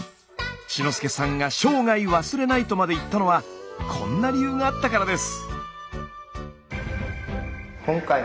志の輔さんが「生涯忘れない」とまで言ったのはこんな理由があったからです。